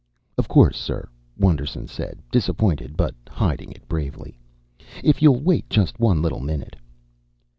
"Of course, sir," Wonderson said, disappointed but hiding it bravely. "If you'll wait just one little minute...."